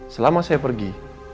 selama saya pergi